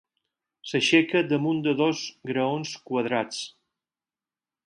S'aixeca damunt de dos graons quadrats.